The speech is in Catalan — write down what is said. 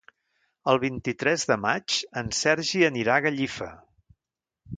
El vint-i-tres de maig en Sergi anirà a Gallifa.